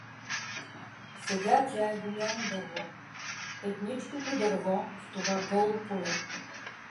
Сега тя е голямо дърво, едничкото дърво в това голо поле.